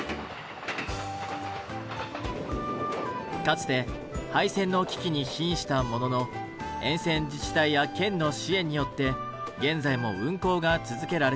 かつて廃線の危機に瀕したものの沿線自治体や県の支援によって現在も運行が続けられています。